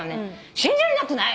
「信じられなくない！？」